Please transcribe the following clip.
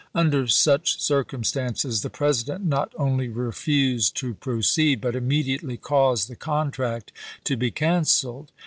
Under such circumstances the President not only refused to proceed, but immediately caused the contract to be canceled.